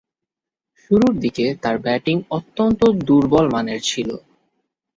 শুরুর দিকে তার ব্যাটিং অত্যন্ত দূর্বলমানের ছিল।